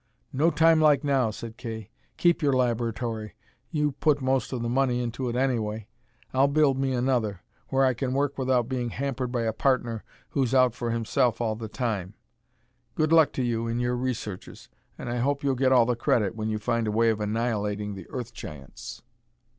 "No time like now," said Kay. "Keep your laboratory. You put most of the money into it, anyway. I'll build me another where I can work without being hampered by a partner who's out for himself all the time. Good luck to you in your researches, and I hope you'll get all the credit when you find a way of annihilating the Earth Giants."